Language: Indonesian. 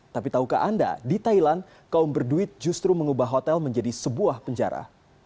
tapi tahukah anda di thailand kaum berduit justru mengubah hotel menjadi sebuah penjara